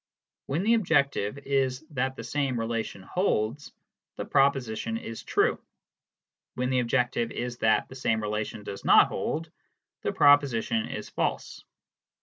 When the objective is that the same relation holds, the proposition is true ; when the objective is that the same relation does not hold, the proposi tion is false.